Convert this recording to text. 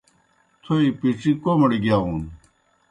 تھوئے پِڇِی کوْمَڑ گِیاؤن۔